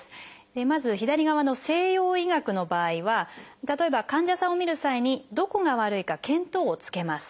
まず左側の西洋医学の場合は例えば患者さんを診る際にどこが悪いか見当をつけます。